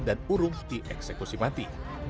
dan urung dieksekusi mati